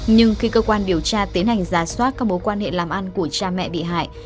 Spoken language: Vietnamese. nhưng khi cơ quan điều tra tiến hành giả soát các mối quan hệ làm ăn của cha mẹ bị hại